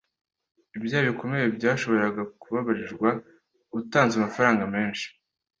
Ibyaha bikomeye byashoboraga kubabarirwa utanze amafaranga menshi.